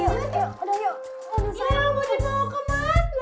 ya mau dibawa ke matlo